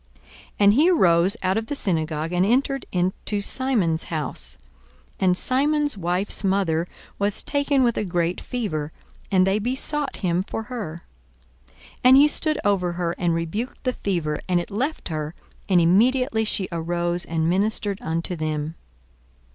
42:004:038 And he arose out of the synagogue, and entered into Simon's house. And Simon's wife's mother was taken with a great fever; and they besought him for her. 42:004:039 And he stood over her, and rebuked the fever; and it left her: and immediately she arose and ministered unto them.